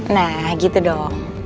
nah gitu dong